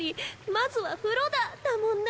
「まずは風呂だ」だもんな。